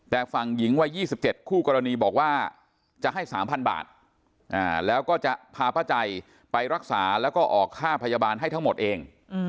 แต่ฝั่งหญิงวัย๒๗คู่กรณีบอกว่าจะให้๓๐๐บาทแล้วก็จะพาป้าใจไปรักษาแล้วก็ออกค่าพยาบาลให้ทั้งหมดเอง